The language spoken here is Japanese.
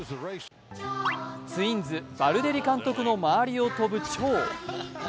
ツインズ・バルデリ監督の周りを飛ぶちょう。